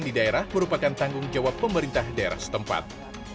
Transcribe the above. di daerah merupakan tanggung jawab pemerintah daerah setempat